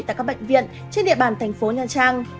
tại các bệnh viện trên địa bàn thành phố nha trang